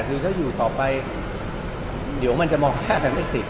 คือถ้าอยู่ต่อไปเห็นจะมองแทบไม่ผิด